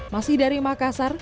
masih dari makassar